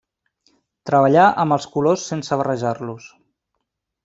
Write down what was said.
Treballà amb els colors sense barrejar-los.